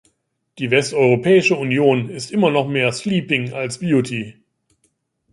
Die Westeuropäische Union ist immer noch mehr sleeping als beauty .